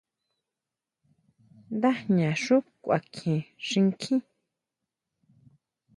Ndajña xú kuakjien xinkjín.